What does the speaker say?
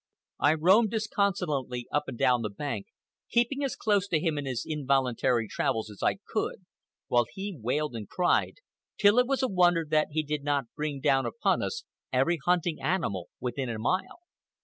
I roamed disconsolately up and down the bank, keeping as close to him in his involuntary travels as I could, while he wailed and cried till it was a wonder that he did not bring down upon us every hunting animal within a mile.